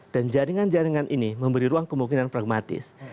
dan jaringan jaringan ini memberi ruang kemungkinan pragmatis